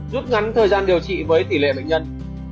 rút ngắn thời gian điều trị với tỷ lệ bệnh nhân